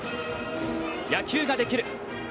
野球ができる。